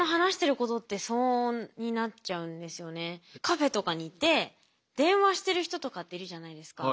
カフェとかにいて電話してる人とかっているじゃないですか。